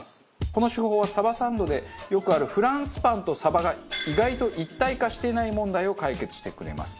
この手法はサバサンドでよくあるフランスパンとサバが意外と一体化してない問題を解決してくれます。